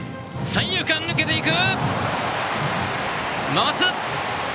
三遊間、抜けていく！